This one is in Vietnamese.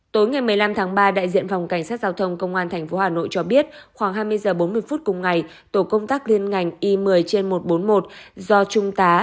tối ngày một mươi năm tháng ba đại diện phòng cảnh sát giao thông công an tp hà nội cho biết khoảng hai mươi h bốn mươi phút cùng ngày tổ công tác liên ngành y một mươi trên một trăm bốn mươi một do trung tá